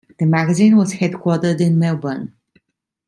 The magazine was headquartered in Melbourne.